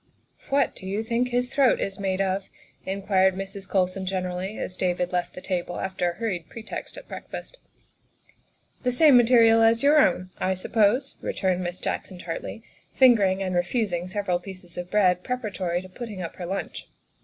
" What do you think his throat is made of?" in quired Mrs. Colson generally, as David left the table after a hurried pretext at breakfast. " The same material as your own, I suppose," re turned Miss Jackson tartly, fingering and refusing several pieces of bread preparatory to putting up her lunch.